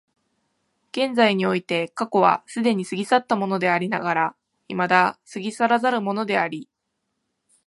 現在において過去は既に過ぎ去ったものでありながら未だ過ぎ去らざるものであり、